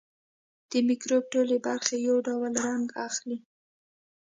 د مکروب ټولې برخې یو ډول رنګ اخلي.